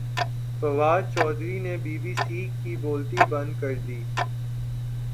فواد چوہدری نے B B C کی بولتی بند کردی